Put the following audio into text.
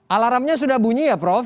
alarmnya sudah bunyi ya prof